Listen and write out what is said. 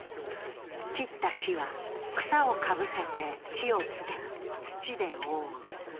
切った木は草をかぶせて火をつけ土で覆う。